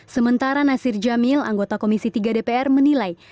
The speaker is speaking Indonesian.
sementara nasir jamil anggota komisi tiga dpr menilai